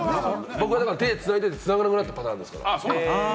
僕は手をつないでいて、つながなくなったパターンですから。